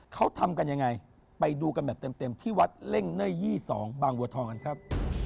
เขาทำกันยังไงไปดูกันแบบเต็มที่วัดเล่งเนย๒๒บางบัวทองกันครับ